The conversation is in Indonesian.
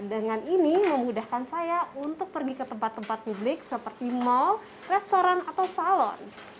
dengan ini memudahkan saya untuk pergi ke tempat tempat publik seperti mal restoran atau salon